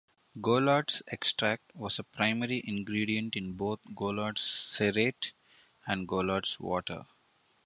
Goulard's Extract was a primary ingredient in both Goulard's Cerate and Goulard's Water.